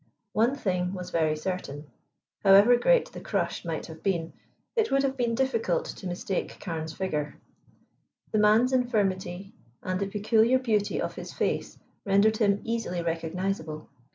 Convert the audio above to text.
One thing was very certain, however great the crush might have been, it would have been difficult to mistake Carne's figure. The man's infirmity and the peculiar beauty of his face rendered him easily recognizable.